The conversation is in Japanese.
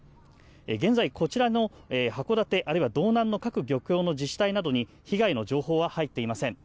現在、こちらの函館あるいは道南の各漁協の自治体などに被害の情報は入っていません。